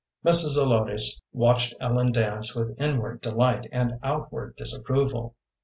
Mrs. Zelotes watched Ellen dance with inward delight and outward disapproval.